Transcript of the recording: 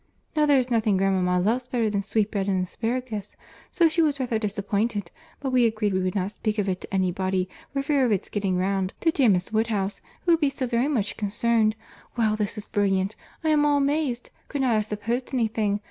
Now there is nothing grandmama loves better than sweetbread and asparagus—so she was rather disappointed, but we agreed we would not speak of it to any body, for fear of its getting round to dear Miss Woodhouse, who would be so very much concerned!—Well, this is brilliant! I am all amazement! could not have supposed any thing!